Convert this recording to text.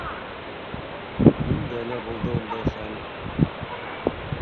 Миндә лә булды ундай хәл.